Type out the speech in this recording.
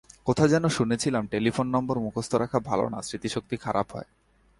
কোথায় যেন শুনেছিলাম টেলিফোন নম্বর মুখস্থ রাখা ভালো না, স্মৃতিশক্তি খারাপ হয়।